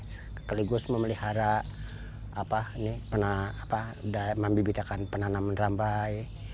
sekaligus memelihara membibitakan penanaman rambai